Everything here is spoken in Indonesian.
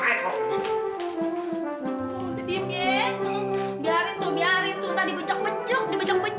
tuh yang namanya siapa itu tadi namanya siapa itu